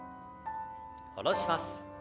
下ろします。